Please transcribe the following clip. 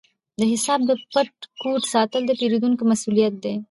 د حساب د پټ کوډ ساتل د پیرودونکي مسؤلیت دی۔